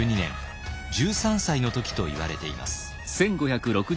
１３歳の時といわれています。